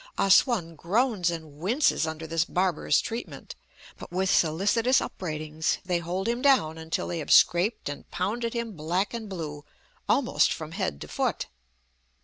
Ah Sam groans and winces under this barbarous treatment, but with solicitous upbraidings they hold him down until they have scraped and pounded him black and blue, almost from head to foot.